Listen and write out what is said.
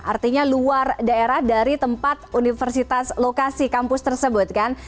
artinya luar daerah dari tempat universitas lokasi kampus tersebut kan